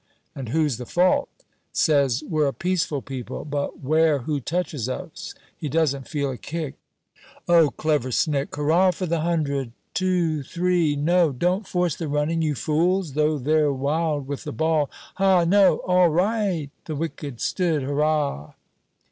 And whose the fault? Says, we're a peaceful people, but 'ware who touches us! He doesn't feel a kick. Oh! clever snick! Hurrah for the hundred! Two three. No, don't force the running, you fools! though they 're wild with the ball: ha! no? all right!' The wicket stood. Hurrah!